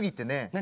何？